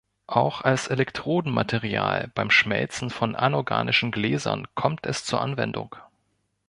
Auch als Elektrodenmaterial beim Schmelzen von anorganischen Gläsern kommt es zur Anwendung.